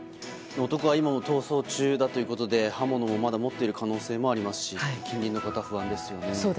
男は今も逃走中だということで刃物をまだ持っている可能性もありますし近隣の方は不安ですよね。